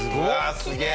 すげえ。